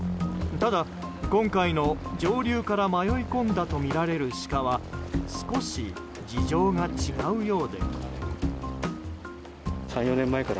ただ、今回の上流から迷い込んだとみられるシカは少し事情が違うようで。